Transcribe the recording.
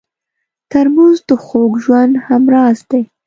ترموز د خوږ ژوند همراز دی.